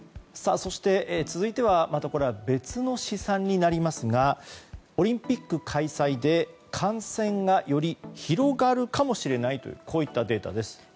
そして、続いてはまた別の試算になりますがオリンピック開催で、感染がより広がるかもしれないというこういったデータです。